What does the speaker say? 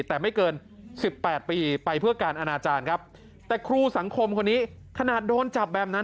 แต่ไม่เกิน๑๘ปีไปเพื่อการอนาจารย์ครับแต่ครูสังคมคนนี้ขนาดโดนจับแบบนั้น